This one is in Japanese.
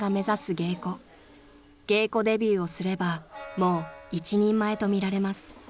［芸妓デビューをすればもう一人前と見られます］